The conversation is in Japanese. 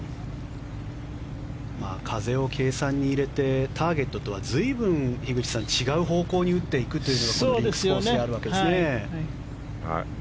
風を計算に入れてターゲットとは随分、違う方向に打っていくというのがこうしてあるわけですね。